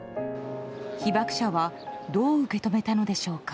被爆者はどう受け止めたのでしょうか。